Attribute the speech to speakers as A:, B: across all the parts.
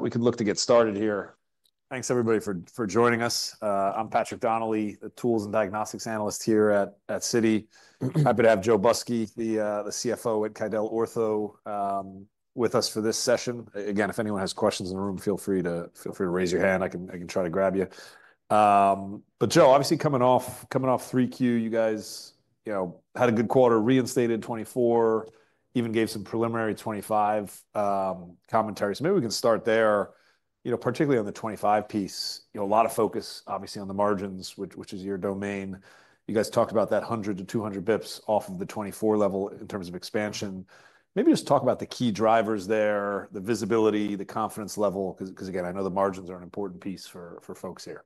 A: We could look to get started here. Thanks, everybody, for joining us. I'm Patrick Donnelly, the Tools and Diagnostics Analyst here at Citi. Happy to have Joe Busky, the CFO at QuidelOrtho with us for this session. Again, if anyone has questions in the room, feel free to raise your hand. I can try to grab you. But Joe, obviously coming off 3Q, you guys had a good quarter, reinstated 2024, even gave some preliminary 2025 commentary. So maybe we can start there, particularly on the 2025 piece. A lot of focus, obviously, on the margins, which is your domain. You guys talked about that 100 to 200 basis points off of the 2024 level in terms of expansion. Maybe just talk about the key drivers there, the visibility, the confidence level, because again, I know the margins are an important piece for folks here.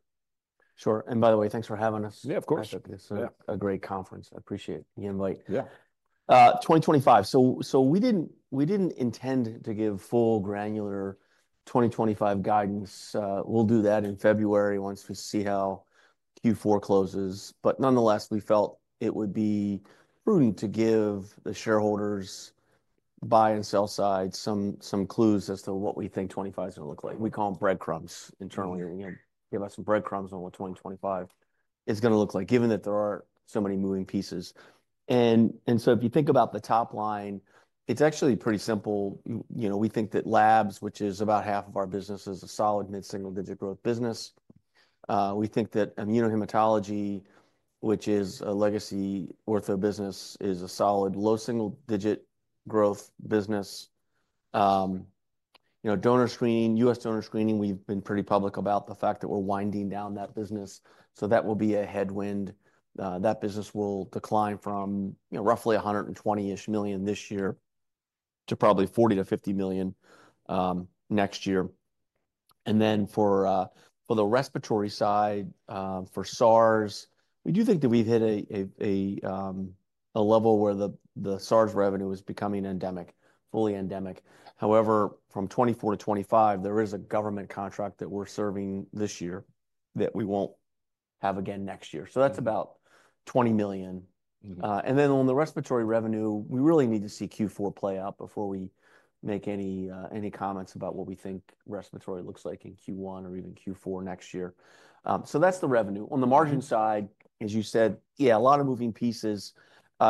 B: Sure. And by the way, thanks for having us.
A: Yeah, of course.
B: It's a great conference. I appreciate the invite.
A: Yeah.
B: 2025. So we didn't intend to give full granular 2025 guidance. We'll do that in February once we see how Q4 closes. But nonetheless, we felt it would be prudent to give the shareholders' buy and sell side some clues as to what we think 2025 is going to look like. We call them breadcrumbs internally. Give us some breadcrumbs on what 2025 is going to look like, given that there are so many moving pieces. And so if you think about the top line, it's actually pretty simple. We think that labs, which is about half of our business, is a solid mid-single digit growth business. We think that immunohematology, which is a legacy Ortho business, is a solid low single digit growth business. Donor screening, U.S. donor screening, we've been pretty public about the fact that we're winding down that business. So that will be a headwind. That business will decline from roughly $120-ish million this year to probably $40-$50 million next year. And then for the respiratory side, for SARS, we do think that we've hit a level where the SARS revenue is becoming endemic, fully endemic. However, from 2024 to 2025, there is a government contract that we're serving this year that we won't have again next year. So that's about $20 million. And then on the respiratory revenue, we really need to see Q4 play out before we make any comments about what we think respiratory looks like in Q1 or even Q4 next year. So that's the revenue. On the margin side, as you said, yeah, a lot of moving pieces.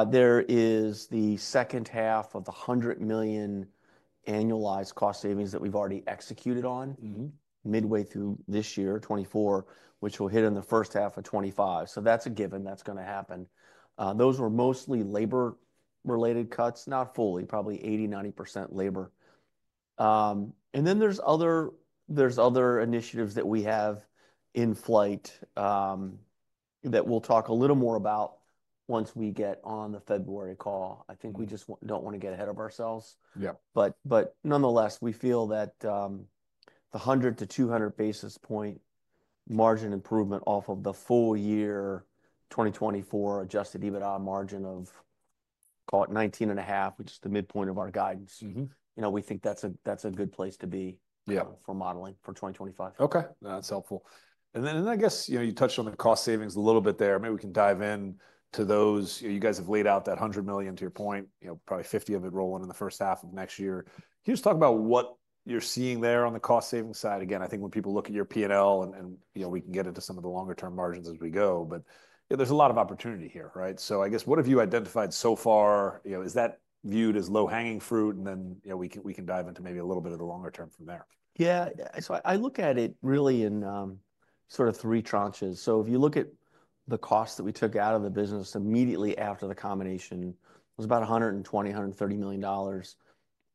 B: There is the second half of the $100 million annualized cost savings that we've already executed on midway through this year, 2024, which will hit in the first half of 2025, so that's a given that's going to happen. Those were mostly labor-related cuts, not fully, probably 80%-90% labor, and then there's other initiatives that we have in flight that we'll talk a little more about once we get on the February call. I think we just don't want to get ahead of ourselves, but nonetheless, we feel that the 100- to 200-basis-point margin improvement off of the full year 2024 adjusted EBITDA margin of, call it 19.5%, which is the midpoint of our guidance, we think that's a good place to be for modeling for 2025.
A: Okay. That's helpful. And then I guess you touched on the cost savings a little bit there. Maybe we can dive into those. You guys have laid out that $100 million, to your point, probably $50 million of it rolling in the first half of next year. Can you just talk about what you're seeing there on the cost savings side? Again, I think when people look at your P&L, and we can get into some of the longer-term margins as we go, but there's a lot of opportunity here, right? So I guess, what have you identified so far? Is that viewed as low-hanging fruit? And then we can dive into maybe a little bit of the longer term from there.
B: Yeah. So I look at it really in sort of three tranches. So if you look at the cost that we took out of the business immediately after the combination, it was about $120-$130 million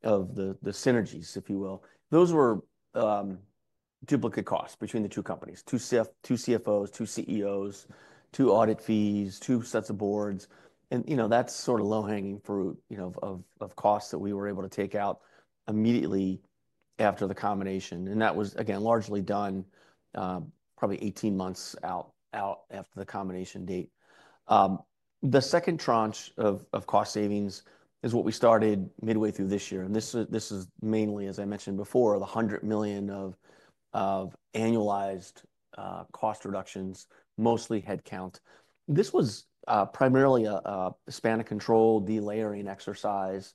B: of the synergies, if you will. Those were duplicate costs between the two companies: two CFOs, two CEOs, two audit fees, two sets of boards. And that's sort of low-hanging fruit of costs that we were able to take out immediately after the combination. And that was, again, largely done probably 18 months out after the combination date. The second tranche of cost savings is what we started midway through this year. And this is mainly, as I mentioned before, the $100 million of annualized cost reductions, mostly headcount. This was primarily a hierarchically-controlled delayering exercise,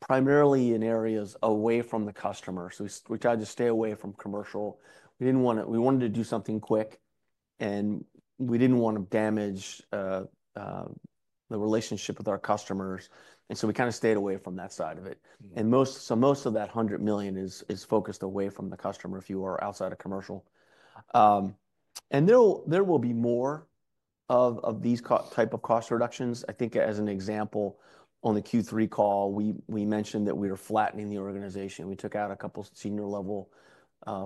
B: primarily in areas away from the customer, so we tried to stay away from commercial. We wanted to do something quick, and we didn't want to damage the relationship with our customers. And so we kind of stayed away from that side of it. And so most of that $100 million is focused away from the customer if you are outside of commercial. And there will be more of these types of cost reductions. I think as an example, on the Q3 call, we mentioned that we were flattening the organization. We took out a couple of senior-level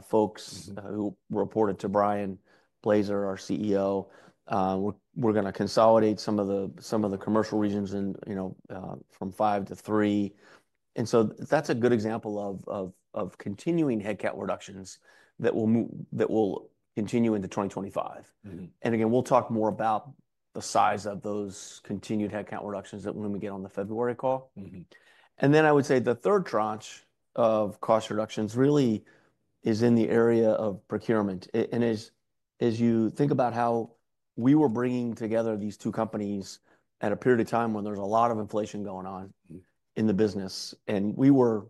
B: folks who reported to Brian Blaser, our CEO. We're going to consolidate some of the commercial regions from five to three. And so that's a good example of continuing headcount reductions that will continue into 2025. And again, we'll talk more about the size of those continued headcount reductions when we get on the February call. And then I would say the third tranche of cost reductions really is in the area of procurement. As you think about how we were bringing together these two companies at a period of time when there's a lot of inflation going on in the business, and we were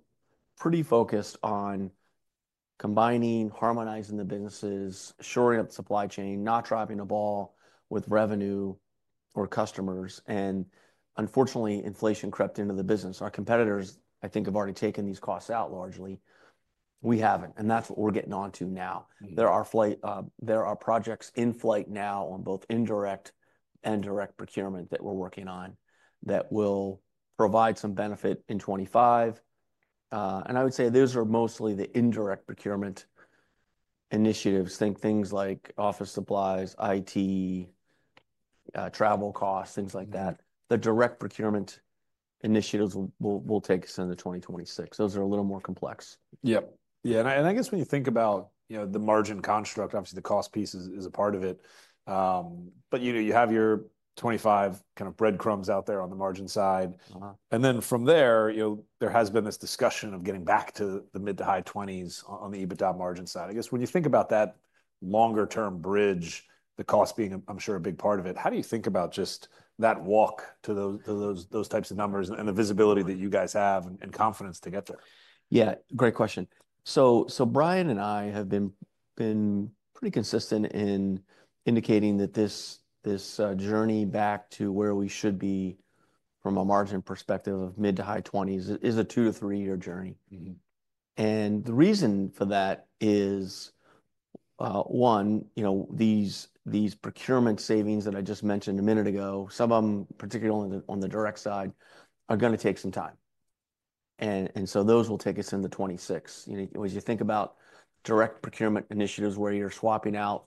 B: pretty focused on combining, harmonizing the businesses, shoring up the supply chain, not dropping the ball with revenue or customers. Unfortunately, inflation crept into the business. Our competitors, I think, have already taken these costs out largely. We haven't. That's what we're getting on to now. There are projects in flight now on both indirect and direct procurement that we're working on that will provide some benefit in 2025. I would say those are mostly the indirect procurement initiatives. Things like office supplies, IT, travel costs, things like that. The direct procurement initiatives will take us into 2026. Those are a little more complex.
A: Yep. Yeah. And I guess when you think about the margin construct, obviously, the cost piece is a part of it. But you have your 2025 kind of breadcrumbs out there on the margin side. And then from there, there has been this discussion of getting back to the mid- to high-20s on the EBITDA margin side. I guess when you think about that longer-term bridge, the cost being, I'm sure, a big part of it, how do you think about just that walk to those types of numbers and the visibility that you guys have and confidence to get there?
B: Yeah. Great question. So Brian and I have been pretty consistent in indicating that this journey back to where we should be from a margin perspective of mid- to high-20s is a two- to three-year journey. And the reason for that is, one, these procurement savings that I just mentioned a minute ago, some of them, particularly on the direct side, are going to take some time. And so those will take us into 2026. As you think about direct procurement initiatives where you're swapping out,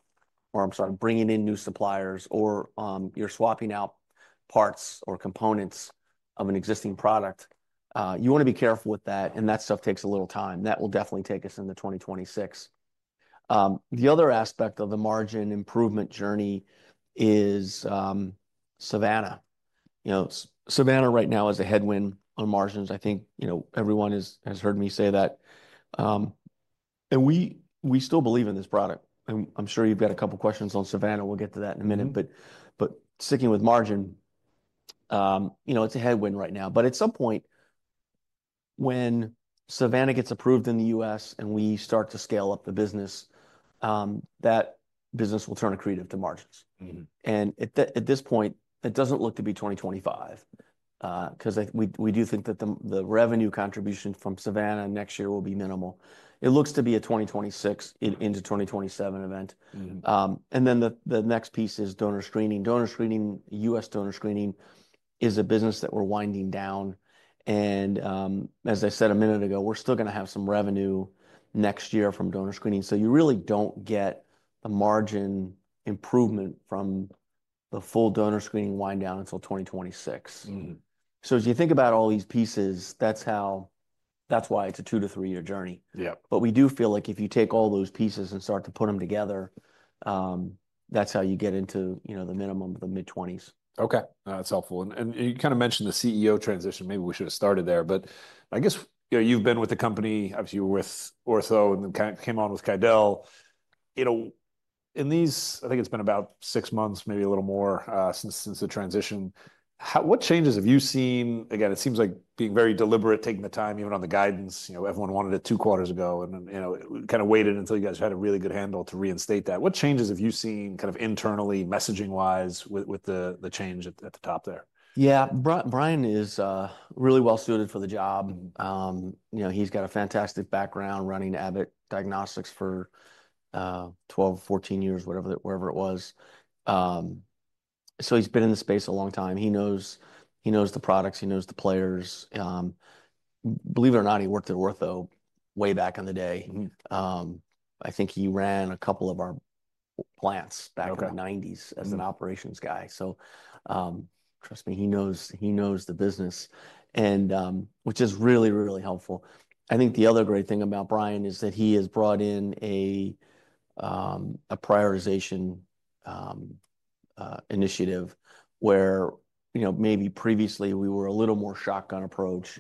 B: or I'm sorry, bringing in new suppliers, or you're swapping out parts or components of an existing product, you want to be careful with that. And that stuff takes a little time. That will definitely take us into 2026. The other aspect of the margin improvement journey is SAVANNA. SAVANNA right now is a headwind on margins. I think everyone has heard me say that, and we still believe in this product. I'm sure you've got a couple of questions on SAVANNA. We'll get to that in a minute, but sticking with margin, it's a headwind right now, but at some point, when SAVANNA gets approved in the U.S. and we start to scale up the business, that business will turn accretive to margins, and at this point, it doesn't look to be 2025 because we do think that the revenue contribution from SAVANNA next year will be minimal. It looks to be a 2026 into 2027 event, and then the next piece is Donor Screening. Donor Screening, U.S. donor screening, is a business that we're winding down, and as I said a minute ago, we're still going to have some revenue next year from Donor Screening. So you really don't get a margin improvement from the full donor screening wind down until 2026. So as you think about all these pieces, that's why it's a two- to three-year journey. But we do feel like if you take all those pieces and start to put them together, that's how you get into the minimum of the mid-20s.
A: Okay. That's helpful. And you kind of mentioned the CEO transition. Maybe we should have started there. But I guess you've been with the company. Obviously, you were with Ortho and then came on with Quidel. I think it's been about six months, maybe a little more, since the transition. What changes have you seen? Again, it seems like being very deliberate, taking the time, even on the guidance. Everyone wanted it two quarters ago. And kind of waited until you guys had a really good handle to reinstate that. What changes have you seen kind of internally, messaging-wise, with the change at the top there?
B: Yeah. Brian is really well suited for the job. He's got a fantastic background running Abbott Diagnostics for 12, 14 years, whatever it was. So he's been in the space a long time. He knows the products. He knows the players. Believe it or not, he worked at Ortho way back in the day. I think he ran a couple of our plants back in the 1990s as an operations guy. So trust me, he knows the business, which is really, really helpful. I think the other great thing about Brian is that he has brought in a prioritization initiative where maybe previously we were a little more shotgun approach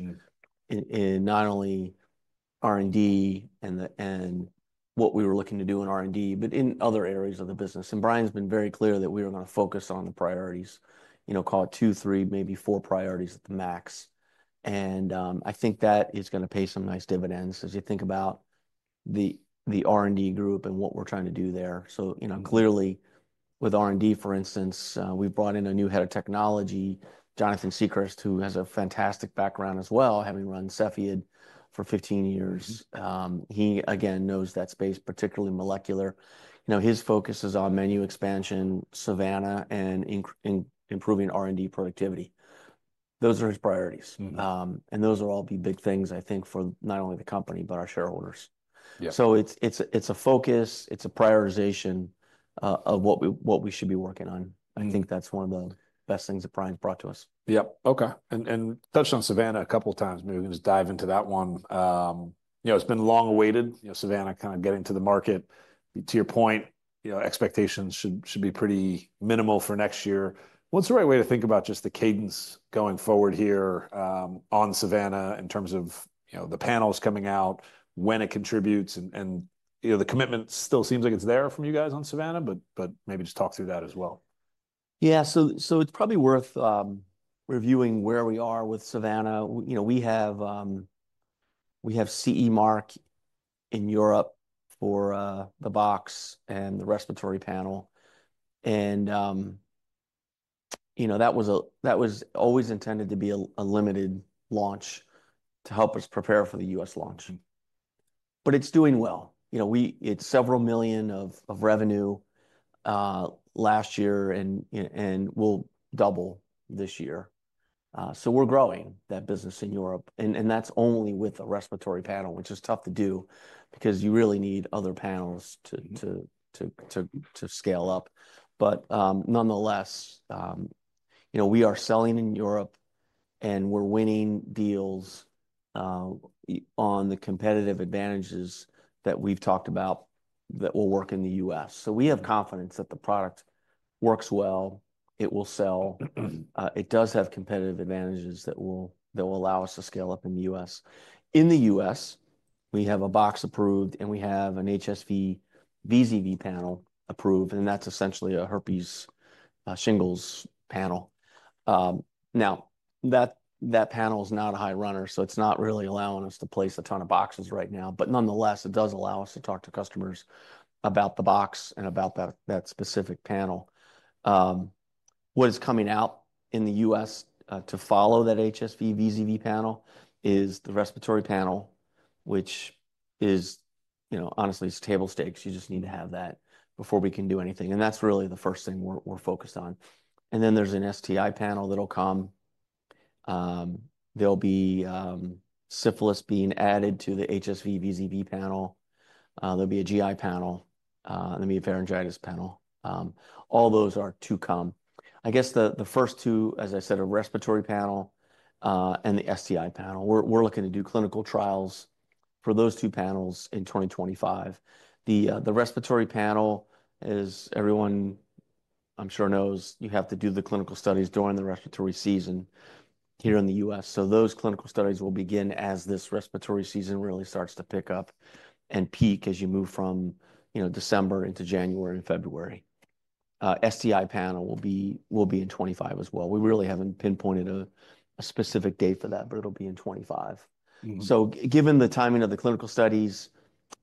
B: in not only R&D and what we were looking to do in R&D, but in other areas of the business. Brian's been very clear that we are going to focus on the priorities, call it two, three, maybe four priorities at the max. I think that is going to pay some nice dividends as you think about the R&D group and what we're trying to do there. Clearly, with R&D, for instance, we've brought in a new head of technology, Jonathan Siegrist, who has a fantastic background as well, having run Cepheid for 15 years. He, again, knows that space, particularly molecular. His focus is on menu expansion, SAVANNA, and improving R&D productivity. Those are his priorities. Those will all be big things, I think, for not only the company, but our shareholders. It's a focus. It's a prioritization of what we should be working on. I think that's one of the best things that Brian's brought to us.
A: Yep. Okay. And touched on SAVANNA a couple of times. Maybe we can just dive into that one. It's been long awaited, SAVANNA kind of getting to the market. To your point, expectations should be pretty minimal for next year. What's the right way to think about just the cadence going forward here on SAVANNA in terms of the panels coming out, when it contributes? And the commitment still seems like it's there from you guys on SAVANNA, but maybe just talk through that as well.
B: Yeah. So it's probably worth reviewing where we are with SAVANNA. We have CE Mark in Europe for the box and the respiratory panel. And that was always intended to be a limited launch to help us prepare for the U.S. launch. But it's doing well. It's several million of revenue last year and will double this year. So we're growing that business in Europe. And that's only with a respiratory panel, which is tough to do because you really need other panels to scale up. But nonetheless, we are selling in Europe and we're winning deals on the competitive advantages that we've talked about that will work in the U.S. So we have confidence that the product works well. It will sell. It does have competitive advantages that will allow us to scale up in the U.S. In the U.S., we have a box approved and we have an HSV/VZV panel approved, and that's essentially a herpes shingles panel. Now, that panel is not a high runner, so it's not really allowing us to place a ton of boxes right now, but nonetheless, it does allow us to talk to customers about the box and about that specific panel. What is coming out in the U.S. to follow that HSV/VZV panel is the respiratory panel, which is honestly, it's table stakes. You just need to have that before we can do anything, and that's really the first thing we're focused on, and then there's an STI panel that'll come. There'll be syphilis being added to the HSV/VZV panel. There'll be a GI panel. There'll be a pharyngitis panel. All those are to come. I guess the first two, as I said, are respiratory panel and the STI panel. We're looking to do clinical trials for those two panels in 2025. The respiratory panel, as everyone I'm sure knows, you have to do the clinical studies during the respiratory season here in the U.S. So those clinical studies will begin as this respiratory season really starts to pick up and peak as you move from December into January and February. STI panel will be in 2025 as well. We really haven't pinpointed a specific date for that, but it'll be in 2025. So given the timing of the clinical studies,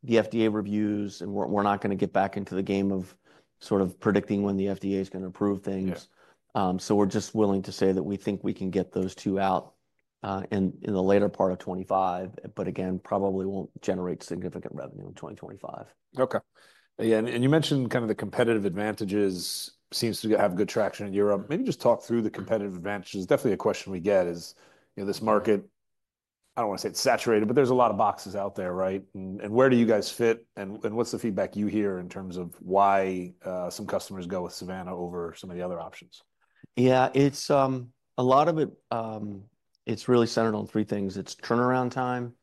B: the FDA reviews, and we're not going to get back into the game of sort of predicting when the FDA is going to approve things. So we're just willing to say that we think we can get those two out in the later part of 2025, but again, probably won't generate significant revenue in 2025.
A: Okay. Yeah. And you mentioned kind of the competitive advantages seems to have good traction in Europe. Maybe just talk through the competitive advantages. Definitely a question we get is this market, I don't want to say it's saturated, but there's a lot of boxes out there, right? And where do you guys fit? And what's the feedback you hear in terms of why some customers go with SAVANNA over some of the other options?
B: Yeah. A lot of it, it's really centered on three things. It's turnaround time.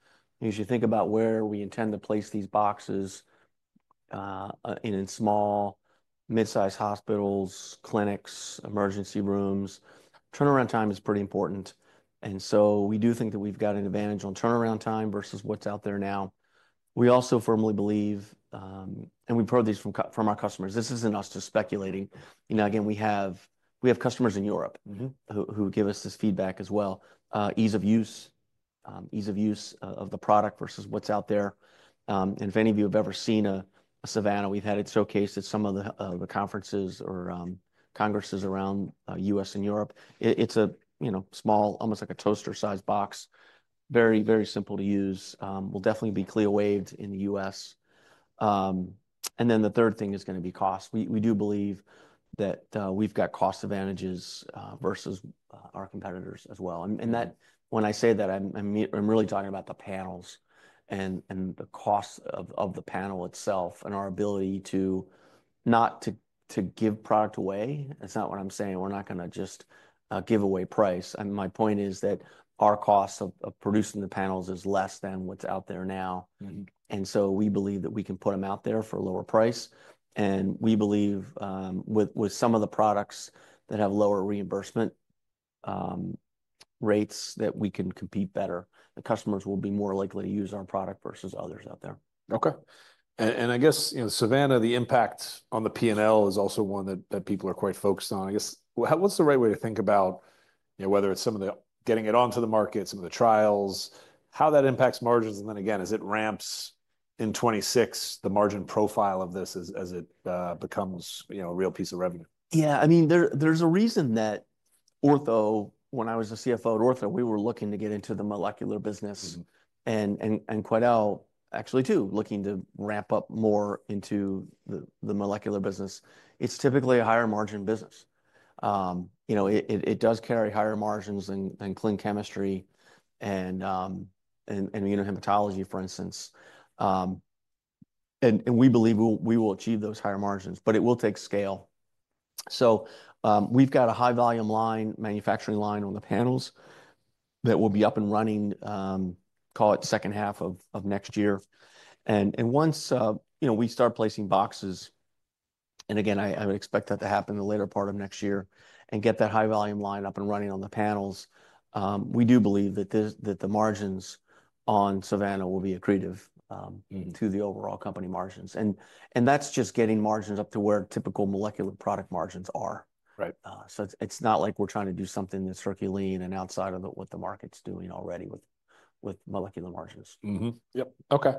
B: As you think about where we intend to place these boxes in small, mid-sized hospitals, clinics, emergency rooms, turnaround time is pretty important, and so we do think that we've got an advantage on turnaround time versus what's out there now. We also firmly believe, and we've heard this from our customers, this isn't us just speculating. Again, we have customers in Europe who give us this feedback as well. Ease of use, ease of use of the product versus what's out there, and if any of you have ever seen a SAVANNA, we've had it showcased at some of the conferences or congresses around the U.S. and Europe. It's a small, almost like a toaster-sized box, very, very simple to use. Will definitely be CLIA-waived in the U.S. Then the third thing is going to be cost. We do believe that we've got cost advantages versus our competitors as well. When I say that, I'm really talking about the panels and the cost of the panel itself and our ability to not give product away. That's not what I'm saying. We're not going to just give away price. My point is that our cost of producing the panels is less than what's out there now. So we believe that we can put them out there for a lower price. We believe with some of the products that have lower reimbursement rates that we can compete better. The customers will be more likely to use our product versus others out there.
A: Okay. And I guess SAVANNA, the impact on the P&L is also one that people are quite focused on. I guess what's the right way to think about whether it's some of the getting it onto the market, some of the trials, how that impacts margins, and then again, as it ramps in 2026, the margin profile of this as it becomes a real piece of revenue?
B: Yeah. I mean, there's a reason that Ortho when I was a CFO at Ortho we were looking to get into the molecular business. And Quidel, actually too, looking to ramp up more into the molecular business. It's typically a higher margin business. It does carry higher margins than clinical chemistry and immunohematology, for instance. And we believe we will achieve those higher margins, but it will take scale. So we've got a high-volume line, manufacturing line on the panels that will be up and running, call it second half of next year. And once we start placing boxes, and again, I would expect that to happen in the later part of next year and get that high-volume line up and running on the panels, we do believe that the margins on SAVANNA will be accretive to the overall company margins. And that's just getting margins up to where typical molecular product margins are. So it's not like we're trying to do something that's Herculean and outside of what the market's doing already with molecular margins.
A: Yep. Okay.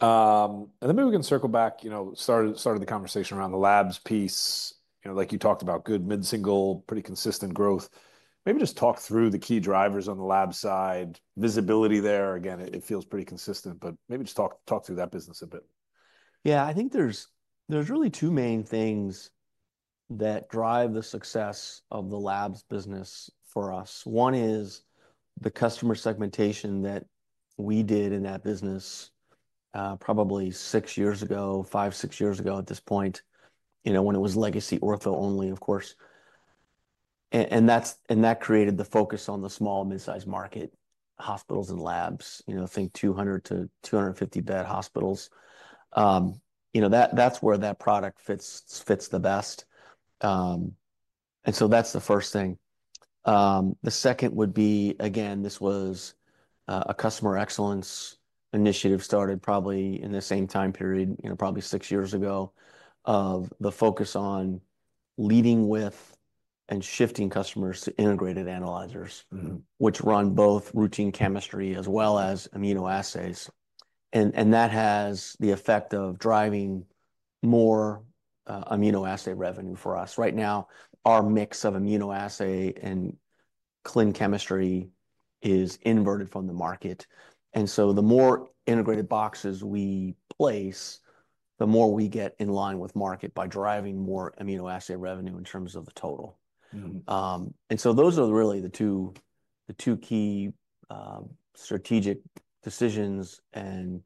A: And then maybe we can circle back, started the conversation around the labs piece. Like you talked about good mid-single, pretty consistent growth. Maybe just talk through the key drivers on the Lab side, visibility there. Again, it feels pretty consistent, but maybe just talk through that business a bit.
B: Yeah. I think there's really two main things that drive the success of the Labs business for us. One is the customer segmentation that we did in that business probably six years ago, five, six years ago at this point, when it was legacy Ortho only, of course, and that created the focus on the small, mid-sized market, Hospitals and Labs, think 200-250-bed hospitals. That's where that product fits the best, and so that's the first thing. The second would be, again, this was a customer excellence initiative started probably in the same time period, probably six years ago, of the focus on leading with and shifting customers to integrated analyzers, which run both routine chemistry as well as immunoassays, and that has the effect of driving more immunoassay revenue for us. Right now, our mix of immunoassay and clinical chemistry is inverted from the market. And so the more integrated boxes we place, the more we get in line with market by driving more immunoassay revenue in terms of the total. And so those are really the two key strategic decisions and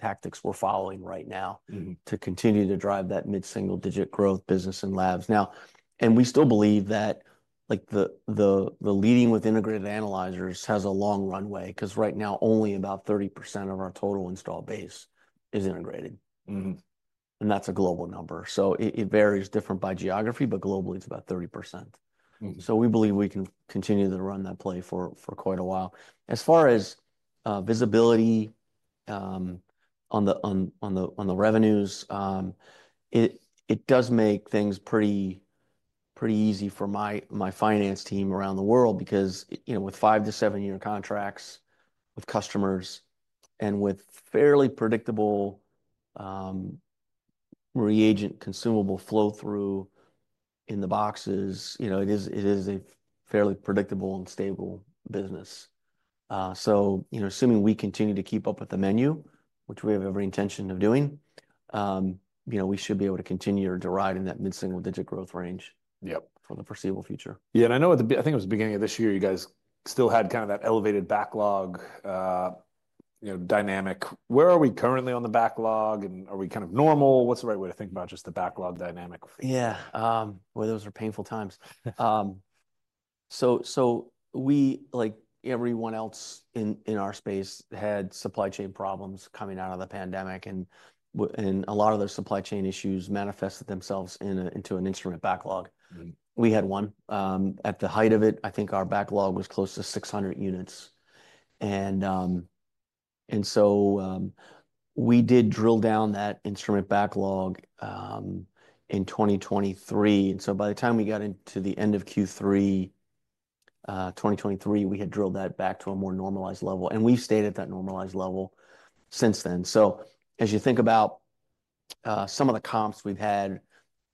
B: tactics we're following right now to continue to drive that mid-single digit growth business in labs. Now, we still believe that leading with integrated analyzers has a long runway because right now, only about 30% of our total installed base is integrated. And that's a global number. So it varies different by geography, but globally, it's about 30%. So we believe we can continue to run that play for quite a while. As far as visibility on the revenues, it does make things pretty easy for my finance team around the world because with five-to-seven-year contracts with customers and with fairly predictable reagent consumable flow-through in the boxes, it is a fairly predictable and stable business, so assuming we continue to keep up with the menu, which we have every intention of doing, we should be able to continue to ride in that mid-single-digit growth range for the foreseeable future.
A: Yeah. And I think it was the beginning of this year you guys still had kind of that elevated backlog dynamic. Where are we currently on the backlog? And are we kind of normal? What's the right way to think about just the backlog dynamic?
B: Yeah. Boy, those are painful times. So we, like everyone else in our space, had supply chain problems coming out of the pandemic. And a lot of those supply chain issues manifested themselves into an instrument backlog. We had one. At the height of it, I think our backlog was close to 600 units. And so we did drill down that instrument backlog in 2023. And so by the time we got into the end of Q3 2023, we had drilled that back to a more normalized level. And we've stayed at that normalized level since then. So as you think about some of the comps we've had,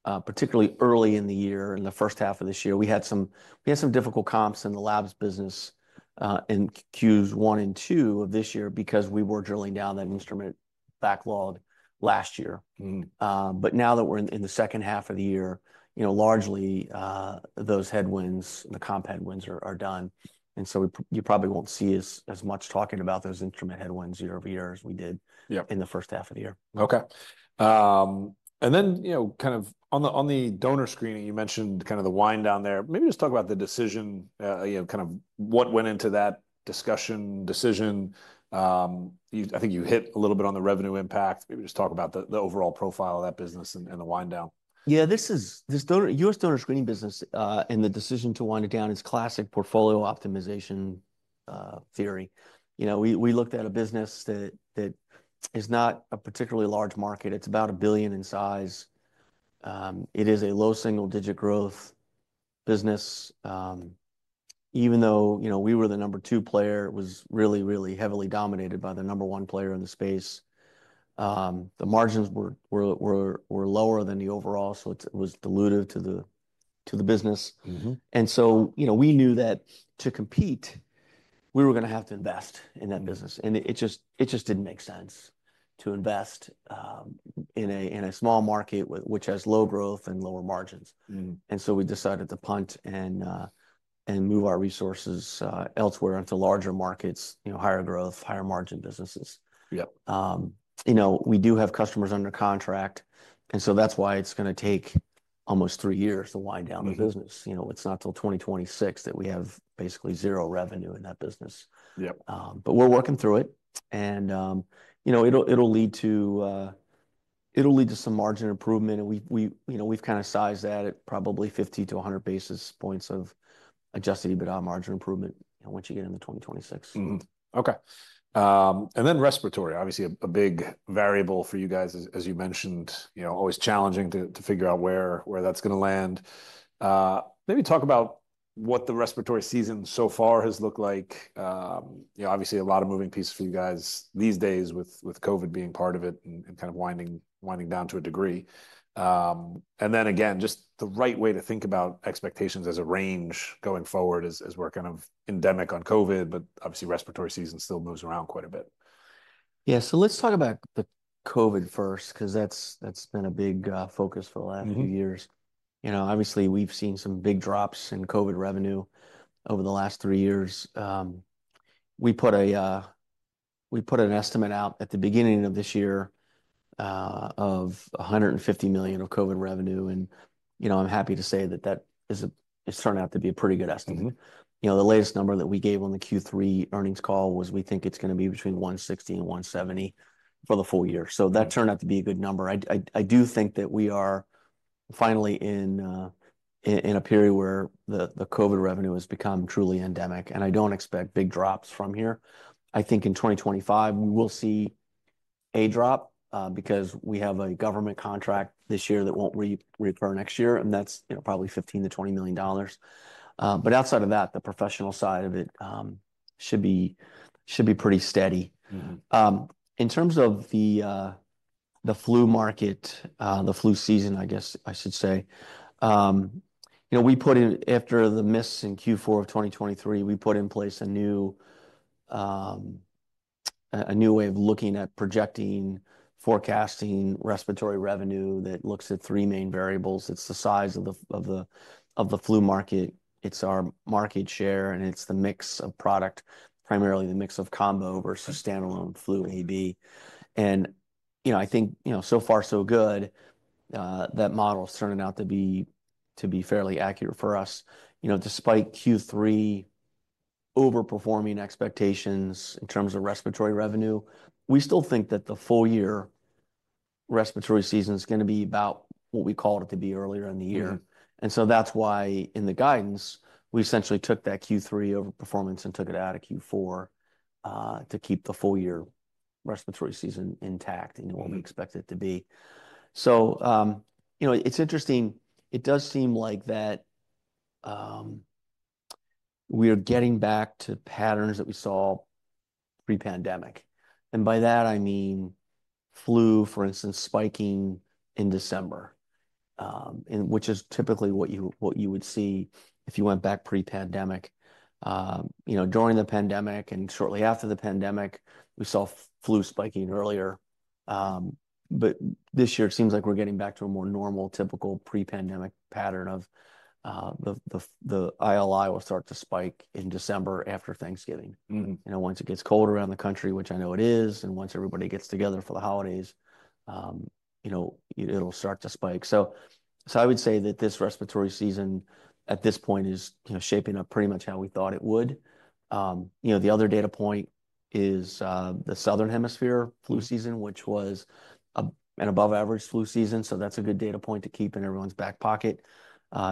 B: particularly early in the year, in the first half of this year, we had some difficult comps in the labs business in Q1 and Q2 of this year because we were drilling down that instrument backlog last year. But now that we're in the second half of the year, largely those headwinds, the comp headwinds, are done. And so you probably won't see us as much talking about those instrument headwinds year over year as we did in the first half of the year.
A: Okay. And then kind of on the donor screening, you mentioned kind of the wind down there. Maybe just talk about the decision, kind of what went into that discussion, decision. I think you hit a little bit on the revenue impact. Maybe just talk about the overall profile of that business and the wind down.
B: Yeah. This U.S. Donor Screening business and the decision to wind it down is classic portfolio optimization theory. We looked at a business that is not a particularly large market. It's about $1 billion in size. It is a low single-digit growth business. Even though we were the number two player, it was really, really heavily dominated by the number one player in the space. The margins were lower than the overall, so it was diluted to the business. And so we knew that to compete, we were going to have to invest in that business. And it just didn't make sense to invest in a small market, which has low growth and lower margins. And so we decided to punt and move our resources elsewhere into larger markets, higher growth, higher margin businesses. We do have customers under contract. And so that's why it's going to take almost three years to wind down the business. It's not till 2026 that we have basically zero revenue in that business. But we're working through it. And it'll lead to some margin improvement. And we've kind of sized that at probably 50-100 basis points of adjusted EBITDA margin improvement once you get into 2026.
A: Okay. And then respiratory, obviously a big variable for you guys, as you mentioned, always challenging to figure out where that's going to land. Maybe talk about what the respiratory season so far has looked like. Obviously, a lot of moving pieces for you guys these days with COVID being part of it and kind of winding down to a degree. And then again, just the right way to think about expectations as a range going forward as we're kind of endemic on COVID, but obviously respiratory season still moves around quite a bit.
B: Yeah. So let's talk about the COVID first because that's been a big focus for the last few years. Obviously, we've seen some big drops in COVID revenue over the last three years. We put an estimate out at the beginning of this year of $150 million of COVID revenue. And I'm happy to say that that is turning out to be a pretty good estimate. The latest number that we gave on the Q3 earnings call was we think it's going to be between $160 million and $170 million for the full year. So that turned out to be a good number. I do think that we are finally in a period where the COVID revenue has become truly endemic. And I don't expect big drops from here. I think in 2025, we will see a drop because we have a government contract this year that won't recur next year. That's probably $15 million-$20 million. Outside of that, the professional side of it should be pretty steady. In terms of the flu market, the flu season, I guess I should say, we put in after the miss in Q4 of 2023, we put in place a new way of looking at projecting, forecasting respiratory revenue that looks at three main variables. It's the size of the flu market. It's our market share. It is the mix of product, primarily the mix of combo versus standalone Flu A/B. I think so far, so good, that model is turning out to be fairly accurate for us. Despite Q3 overperforming expectations in terms of respiratory revenue, we still think that the full year respiratory season is going to be about what we called it to be earlier in the year. And so that's why in the guidance, we essentially took that Q3 overperformance and took it out of Q4 to keep the full year respiratory season intact and what we expect it to be. So it's interesting. It does seem like that we are getting back to patterns that we saw pre-pandemic. And by that, I mean flu, for instance, spiking in December, which is typically what you would see if you went back pre-pandemic. During the pandemic and shortly after the pandemic, we saw flu spiking earlier. But this year, it seems like we're getting back to a more normal, typical pre-pandemic pattern of the ILI will start to spike in December after Thanksgiving. Once it gets cold around the country, which I know it is, and once everybody gets together for the holidays, it'll start to spike. So I would say that this respiratory season at this point is shaping up pretty much how we thought it would. The other data point is the southern hemisphere flu season, which was an above-average flu season. So that's a good data point to keep in everyone's back pocket.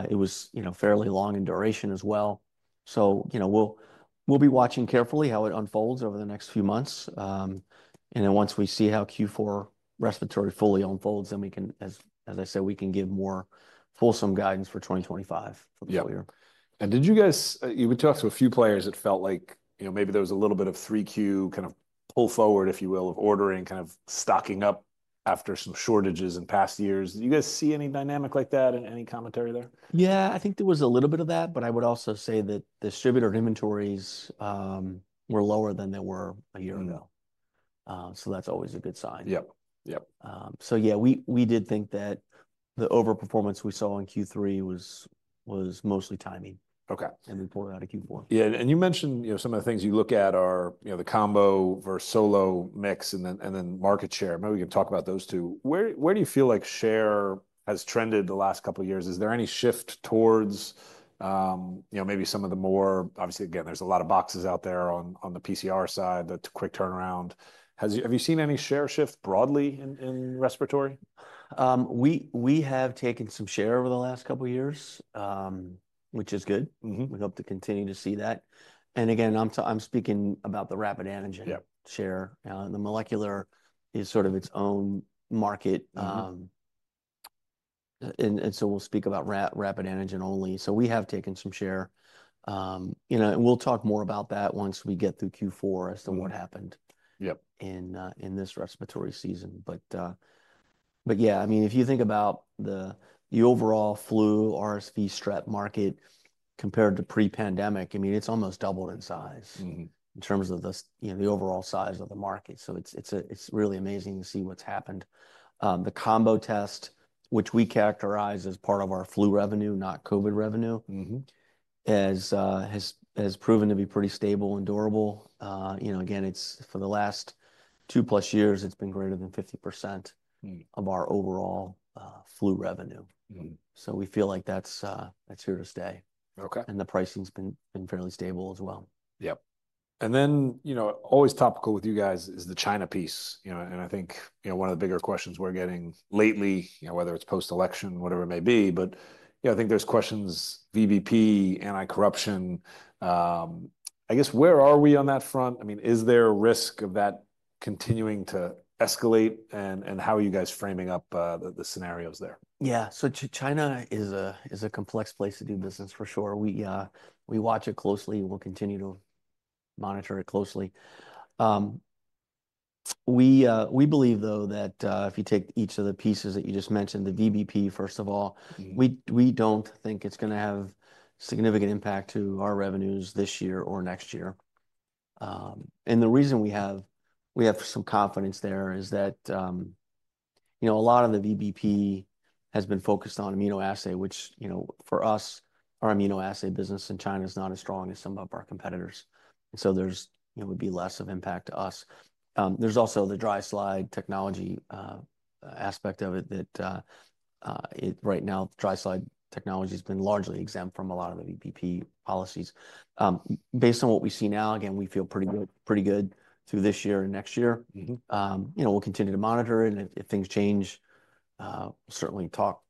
B: It was fairly long in duration as well. So we'll be watching carefully how it unfolds over the next few months. And then once we see how Q4 respiratory fully unfolds, then we can, as I said, we can give more fulsome guidance for 2025 for the full year.
A: Yeah. And did you guys, you talked to a few players that felt like maybe there was a little bit of 3Q kind of pull forward, if you will, of ordering, kind of stocking up after some shortages in past years. Did you guys see any dynamic like that and any commentary there?
B: Yeah. I think there was a little bit of that, but I would also say that distributor inventories were lower than they were a year ago. So that's always a good sign.
A: Yep. Yep.
B: So yeah, we did think that the overperformance we saw in Q3 was mostly timing. And we pulled it out of Q4.
A: Yeah. And you mentioned some of the things you look at are the combo versus solo mix and then market share. Maybe we can talk about those two. Where do you feel like share has trended the last couple of years? Is there any shift towards maybe some of the more, obviously, again, there's a lot of boxes out there on the PCR side, the quick turnaround. Have you seen any share shift broadly in respiratory?
B: We have taken some share over the last couple of years, which is good. We hope to continue to see that. And again, I'm speaking about the rapid antigen share. The molecular is sort of its own market. And so we'll speak about rapid antigen only. So we have taken some share. And we'll talk more about that once we get through Q4 as to what happened in this respiratory season. But yeah, I mean, if you think about the overall flu RSV strep market compared to pre-pandemic, I mean, it's almost doubled in size in terms of the overall size of the market. So it's really amazing to see what's happened. The combo test, which we characterize as part of our flu revenue, not COVID revenue, has proven to be pretty stable and durable. Again, for the last two-plus years, it's been greater than 50% of our overall flu revenue. So we feel like that's here to stay. And the pricing has been fairly stable as well.
A: Yep. And then always topical with you guys is the China piece. And I think one of the bigger questions we're getting lately, whether it's post-election, whatever it may be, but I think there's questions, VBP, anti-corruption. I guess where are we on that front? I mean, is there a risk of that continuing to escalate and how are you guys framing up the scenarios there?
B: Yeah. So China is a complex place to do business, for sure. We watch it closely. We'll continue to monitor it closely. We believe, though, that if you take each of the pieces that you just mentioned, the VBP, first of all, we don't think it's going to have significant impact to our revenues this year or next year. And the reason we have some confidence there is that a lot of the VBP has been focused on immunoassay, which for us, our immunoassay business in China is not as strong as some of our competitors. And so there would be less of an impact to us. There's also the dry slide technology aspect of it that right now, dry slide technology has been largely exempt from a lot of the VBP policies. Based on what we see now, again, we feel pretty good through this year and next year. We'll continue to monitor it, and if things change, we'll certainly talk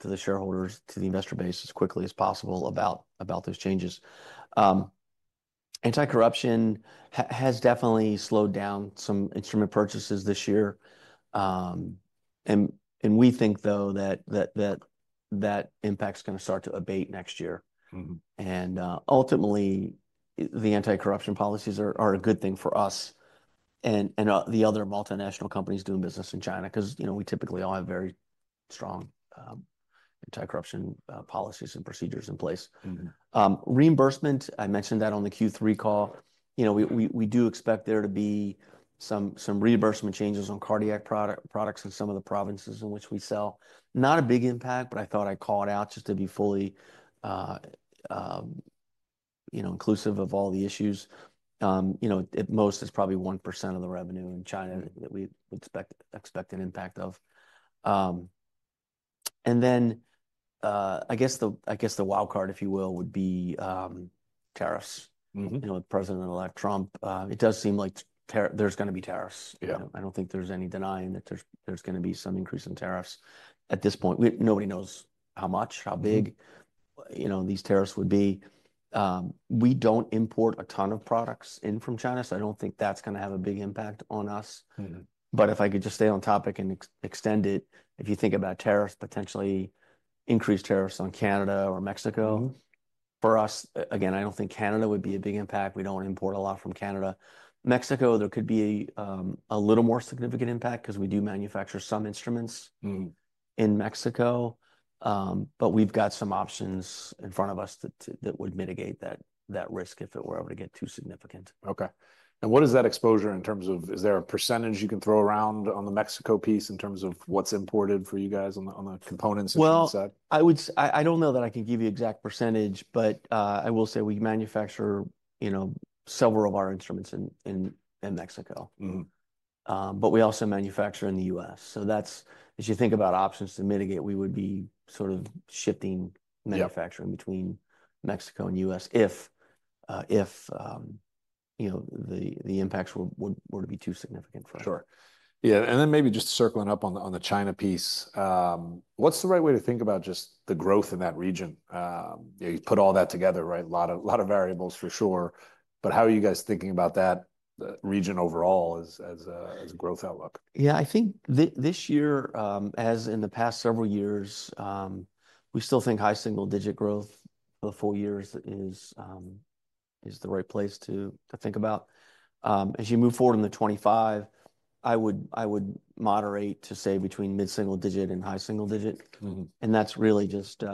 B: to the shareholders, to the investor base as quickly as possible about those changes. Anti-corruption has definitely slowed down some instrument purchases this year, and we think, though, that that impact's going to start to abate next year, and ultimately, the anti-corruption policies are a good thing for us and the other multinational companies doing business in China because we typically all have very strong anti-corruption policies and procedures in place. Reimbursement, I mentioned that on the Q3 call. We do expect there to be some reimbursement changes on cardiac products in some of the provinces in which we sell. Not a big impact, but I thought I'd call it out just to be fully inclusive of all the issues. At most, it's probably 1% of the revenue in China that we expect an impact of, and then I guess the wildcard, if you will, would be tariffs. With President-elect Trump, it does seem like there's going to be tariffs. I don't think there's any denying that there's going to be some increase in tariffs at this point. Nobody knows how much, how big these tariffs would be. We don't import a ton of products in from China, so I don't think that's going to have a big impact on us, but if I could just stay on topic and extend it, if you think about tariffs, potentially increased tariffs on Canada or Mexico, for us, again, I don't think Canada would be a big impact. We don't import a lot from Canada. Mexico, there could be a little more significant impact because we do manufacture some instruments in Mexico. But we've got some options in front of us that would mitigate that risk if it were able to get too significant.
A: Okay. And what is that exposure in terms of, is there a percentage you can throw around on the Mexico piece in terms of what's imported for you guys on the components and things like that?
B: I don't know that I can give you an exact percentage, but I will say we manufacture several of our instruments in Mexico. But we also manufacture in the U.S. So as you think about options to mitigate, we would be sort of shifting manufacturing between Mexico and the U.S. if the impacts were to be too significant for us.
A: Sure. Yeah. And then maybe just circling up on the China piece, what's the right way to think about just the growth in that region? You put all that together, right? A lot of variables for sure. But how are you guys thinking about that region overall as a growth outlook?
B: Yeah. I think this year, as in the past several years, we still think high single-digit growth for the full year is the right place to think about. As you move forward in the 2025, I would moderate to say between mid-single-digit and high single-digit, and that's really just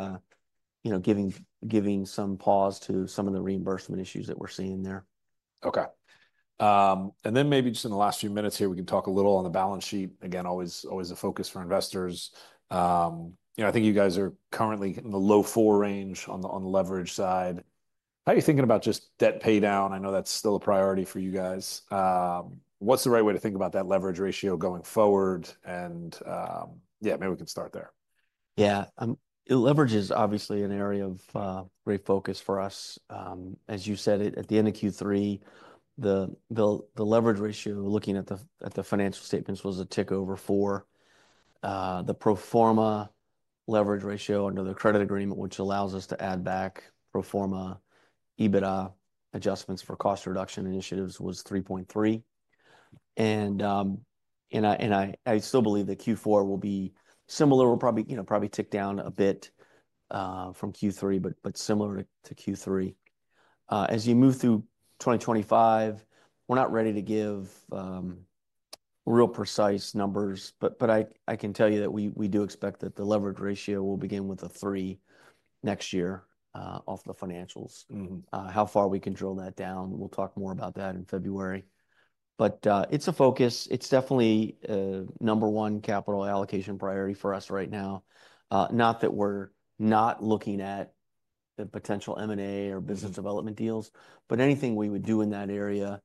B: giving some pause to some of the reimbursement issues that we're seeing there.
A: Okay. And then maybe just in the last few minutes here, we can talk a little on the balance sheet. Again, always a focus for investors. I think you guys are currently in the low four range on the leverage side. How are you thinking about just debt paydown? I know that's still a priority for you guys. What's the right way to think about that leverage ratio going forward? And yeah, maybe we can start there.
B: Yeah. Leverage is obviously an area of great focus for us. As you said, at the end of Q3, the leverage ratio looking at the financial statements was a tick over four. The pro forma leverage ratio under the credit agreement, which allows us to add back pro forma EBITDA adjustments for cost reduction initiatives, was 3.3. And I still believe that Q4 will be similar. We'll probably tick down a bit from Q3, but similar to Q3. As you move through 2025, we're not ready to give real precise numbers. But I can tell you that we do expect that the leverage ratio will begin with a three next year off the financials. How far we can drill that down, we'll talk more about that in February. But it's a focus. It's definitely number one capital allocation priority for us right now. Not that we're not looking at the potential M&A or business development deals, but anything we would do in that area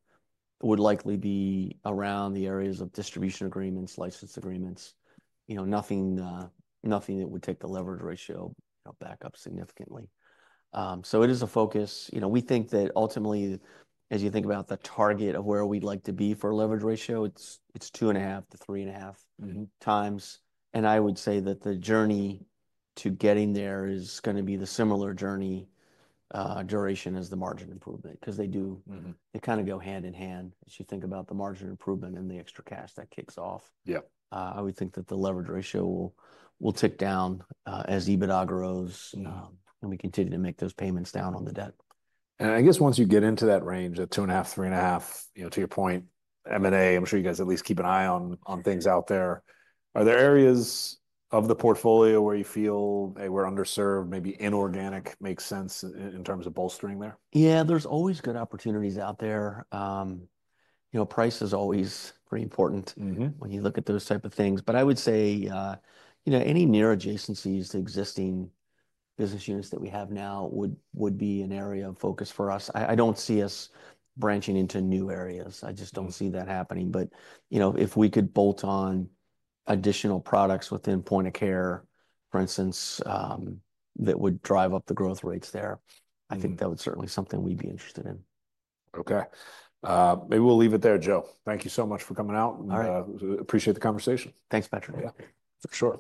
B: would likely be around the areas of distribution agreements, license agreements, nothing that would take the leverage ratio back up significantly. So it is a focus. We think that ultimately, as you think about the target of where we'd like to be for a leverage ratio, it's 2.5x-3.5x. And I would say that the journey to getting there is going to be the similar journey duration as the margin improvement because they kind of go hand in hand as you think about the margin improvement and the extra cash that kicks off. I would think that the leverage ratio will tick down as EBITDA grows and we continue to make those payments down on the debt.
A: I guess once you get into that range of two and a half, three and a half, to your point, M&A, I'm sure you guys at least keep an eye on things out there. Are there areas of the portfolio where you feel, hey, we're underserved, maybe inorganic makes sense in terms of bolstering there?
B: Yeah, there's always good opportunities out there. Price is always pretty important when you look at those types of things. But I would say any near adjacencies to existing business units that we have now would be an area of focus for us. I don't see us branching into new areas. I just don't see that happening. But if we could bolt on additional products within point of care, for instance, that would drive up the growth rates there, I think that would certainly be something we'd be interested in.
A: Okay. Maybe we'll leave it there, Joe. Thank you so much for coming out. Appreciate the conversation.
B: Thanks, Patrick.
A: Yeah, for sure.